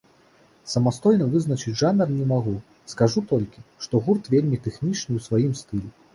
Самастойна вызначыць жанр не магу, скажу толькі, што гурт вельмі тэхнічны ў сваім стылі.